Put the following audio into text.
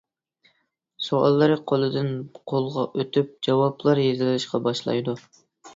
سوئاللىرى قولدىن قولغا ئۆتۈپ جاۋابلار يېزىلىشقا باشلايدۇ.